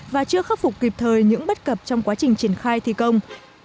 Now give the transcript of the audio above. và chưa khắc phục kịp thời những bất cập trong quá trình triển khai thi công